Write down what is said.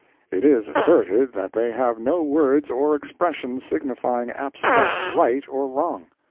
It is asserted that they have no words or expressions signifying abstract right or wrong.